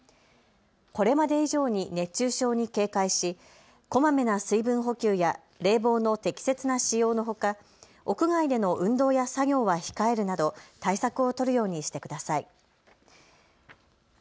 これまで以上に熱中症に警戒しこまめな水分補給や冷房の適切な使用のほか、屋外での運動や作業は控えるなど対策を取るようにしてください。